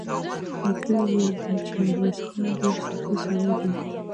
ليکلي يې و چې ميرويس خان ډېر سخي سړی دی.